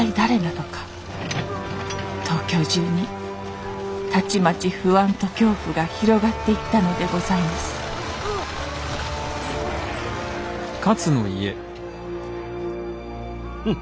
東京中にたちまち不安と恐怖が広がっていったのでございますふん。